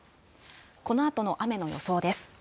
このあとの雨の予想です。